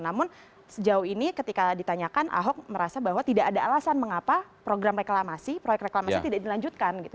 namun sejauh ini ketika ditanyakan ahok merasa bahwa tidak ada alasan mengapa program reklamasi proyek reklamasi tidak dilanjutkan gitu